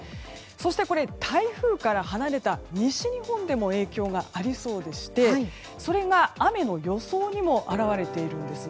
そして、台風から離れた西日本でも影響がありそうでして、それが雨の予想にも表れています。